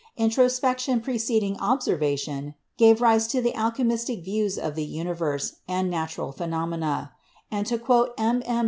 Introspection preceding ob servation gave rise to the alchemistic views of the universe and natural phenomena, and, to quote M. M.